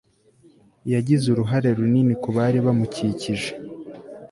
Yagize uruhare runini kubari bamukikije